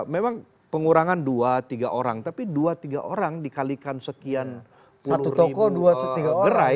memang pengurangan dua tiga orang tapi dua tiga orang dikalikan sekian puluh ribu gerai